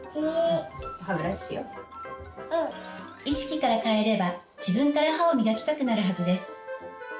意識から変えれば自分から歯を磨きたくなるはずです。